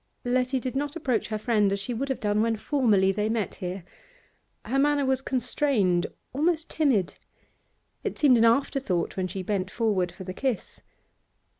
Letty did not approach her friend as she would have done when formerly they met here. Her manner was constrained, almost timid; it seemed an afterthought when she bent forward for the kiss.